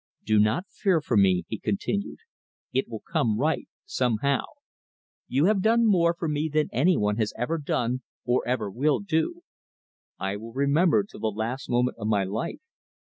"Do not fear for me," he continued. "It will come right somehow. You have done more for me than any one has ever done or ever will do. I will remember till the last moment of my life.